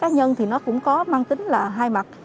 cái ý ký của cá nhân thì nó cũng có mang tính là hai mặt